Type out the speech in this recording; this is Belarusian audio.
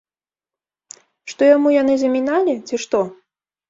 Што яму яны заміналі, ці што?